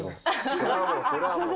それはもう、それはもう。